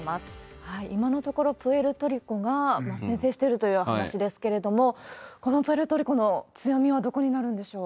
今のところ、プエルトリコが先制してるという話ですけれども、このプエルトリコの強みはどこになるんでしょう？